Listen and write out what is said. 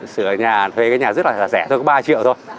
sửa ở nhà thuê cái nhà rất là rẻ thôi có ba triệu thôi